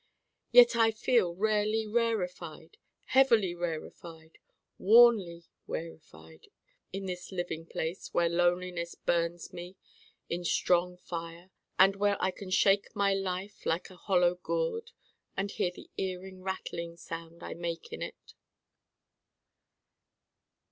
Yet I feel rarely rarefied, heavily rarefied, wornly rarefied in this living place where Loneliness burns me in strong fire and where I can shake my life like a hollow gourd and hear the eerie rattling sound I make in it.